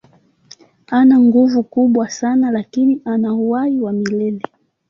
Ana nguvu kubwa sana lakini hana uhai wa milele.